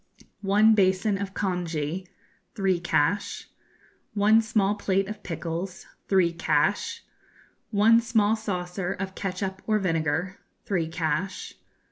One basin of congee three cash. One small plate of pickles three cash. One small saucer of ketchup or vinegar three cash.